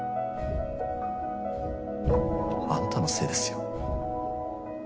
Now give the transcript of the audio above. あんたのせいですよ。